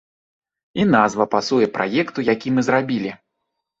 І назва пасуе праекту, які мы зрабілі.